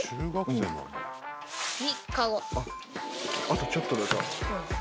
あとちょっとだ。